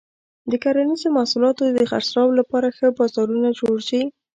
د کرنیزو محصولاتو د خرڅلاو لپاره ښه بازارونه جوړ شي.